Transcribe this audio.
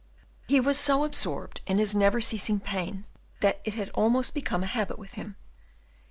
He was so absorbed in his never ceasing pain that it had almost become a habit with him.